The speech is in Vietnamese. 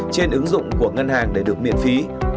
trên ứng dụng của ngân hàng để được miễn phí